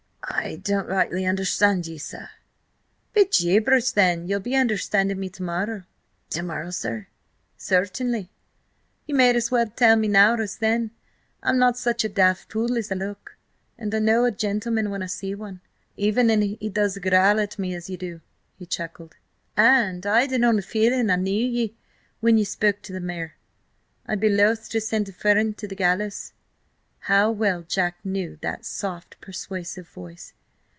"I don't rightly understand ye, sir?" "Bejabers then, ye'll be understanding me tomorrow!" "To morrow, sir?" "Certainly. Ye may as well tell me now as then. I'm not such a daft fool as I look, and I know a gentleman when I see one, even an he does growl at me as you do!" he chuckled. "And I'd an odd feeling I knew ye when ye spoke to the mare. I'd be loth to send a friend to the gallows." How well Jack knew that soft, persuasive voice.